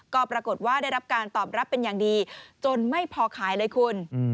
ก็ปรากฏว่าได้รับการตอบรับเป็นอย่างดีจนไม่พอขายเลยคุณ